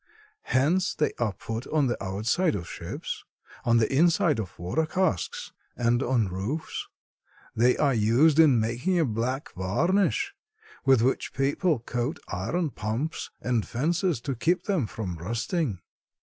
Hence they are put on the outside of ships, on the inside of water casks, and on roofs. They are used in making a black varnish with which people coat iron pumps and fences to keep them from rusting.